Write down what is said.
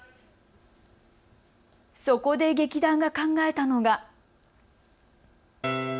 そこで劇団が考えたのが。